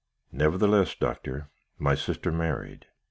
"'Nevertheless, Doctor, my sister married.